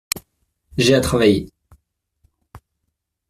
J'ai à travailler.